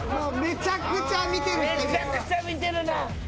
めちゃくちゃ見てるな！